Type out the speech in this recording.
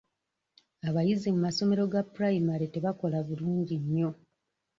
Abayizi mu masomero ga pulayimale tebakola bulungi nnyo.